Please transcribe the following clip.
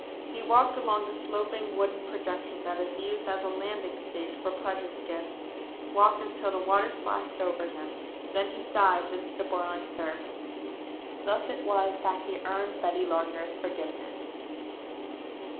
He walked along the sloping wooden projection that is used as a landing stage for pleasure skiffs, walked until the water splashed over him. Then he dived into the boiling surf. Thus it was that he earned Betty Lardner's forgiveness.